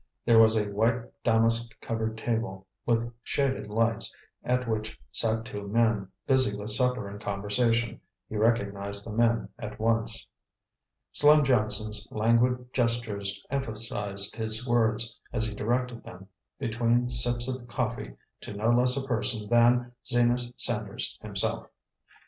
There was a white damask covered table, with shaded lights, at which sat two men, busy with supper and conversation. He recognized the men at once. Slim Johnson's languid gestures emphasized his words, as he directed them, between sips of coffee, to no less a person than Zenas Sanders himself.